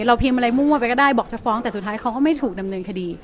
พิมพ์อะไรมั่วไปก็ได้บอกจะฟ้องแต่สุดท้ายเขาก็ไม่ถูกดำเนินคดี